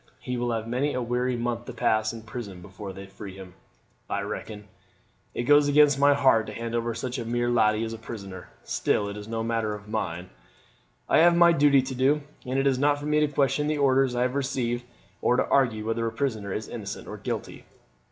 He will have many a weary month to pass in prison before they free him, I reckon. It goes against my heart to hand over such a mere laddie as a prisoner; still it is no matter of mine. I have my duty to do, and it's not for me to question the orders I have received, or to argue whether a prisoner is innocent or guilty."